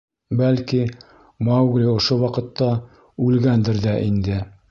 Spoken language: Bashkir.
— Бәлки, Маугли ошо ваҡытта үлгәндер ҙә инде.